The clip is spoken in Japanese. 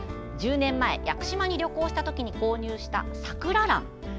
１０年前、屋久島に旅行した時に購入したサクララン。